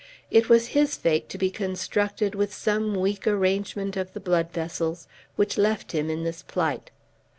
It was his fate to be constructed with some weak arrangement of the blood vessels which left him in this plight.